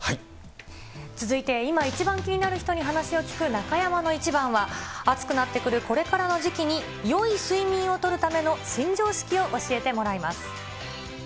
続いて、今一番気になる人に話を聞く中山のイチバンは、暑くなってくるこれからの時期によい睡眠をとるための新常識を教えてもらいます。